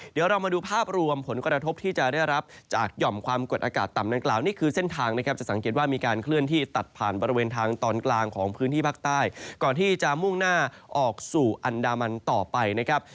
เดี๋ยวเรามาดูภาพรวมผลกระทบที่จะได้รับจากหย่อมความกดอากาศต่ำดังกล่าวนี่คือเส้นทางนะครับจะสังเกตว่ามีการเคลื่อนที่ตัดผ่านบริเวณทางตอนกลางของพื้นที่ภาคใต้ก่อนที่จะมุ่งหน้าออกสู่อันดามันต่อไปนะครับ